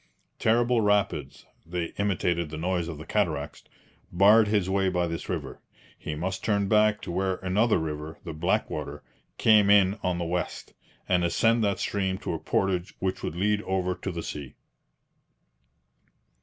Terrible rapids (they imitated the noise of the cataracts) barred his way by this river. He must turn back to where another river (the Blackwater) came in on the west, and ascend that stream to a portage which would lead over to the sea.